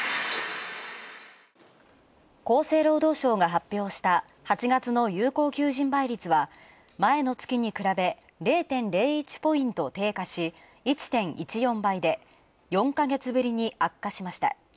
厚生労働省が発表した８月の有効求人倍率は前の月に比べ、０．０１ポイント低下し１．１４倍で、４か月ぶりに悪化しました。